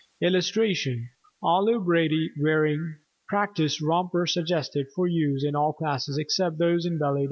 ] [Illustration: OLIVE BRADY WEARING PRACTICE ROMPER SUGGESTED FOR USE IN ALL CLASSES EXCEPT THOSE IN BALLET DANCING.